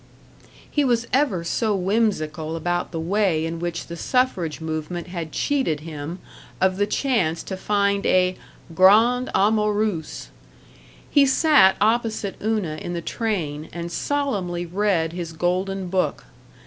He was ever so whimsical about the way in which the suffrage movement had cheated him of the chance to find a "grande amoureuse." He sat opposite Una in the train and solemnly read his golden book.